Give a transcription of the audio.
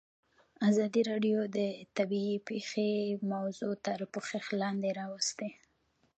ازادي راډیو د طبیعي پېښې موضوع تر پوښښ لاندې راوستې.